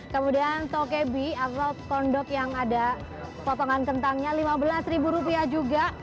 kemudian tokebi atau corn dog yang ada potongan kentangnya rp lima belas juga